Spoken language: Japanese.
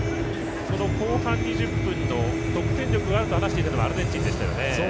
その後半２０分の得点力があると話していたのはアルゼンチンでしたよね。